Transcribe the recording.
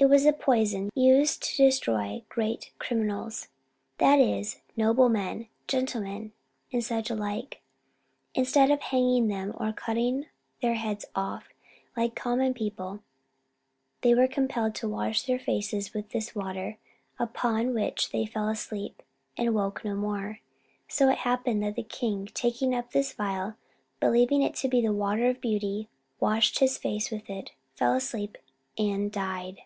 It was a poison, used to destroy great criminals that is, noblemen, gentlemen, and such like. Instead of hanging them or cutting their heads off, like common people, they were compelled to wash their faces with this water; upon which they fell asleep, and woke no more. So it happened that the king, taking up this phial, believing it to be the water of beauty, washed his face with it, fell asleep, and died.